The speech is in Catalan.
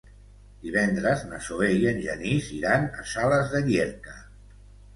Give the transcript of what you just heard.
Divendres na Zoè i en Genís iran a Sales de Llierca.